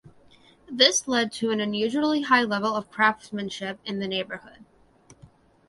This led to an unusually high level of craftsmanship in the neighborhood.